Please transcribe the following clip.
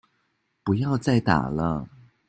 不要再打了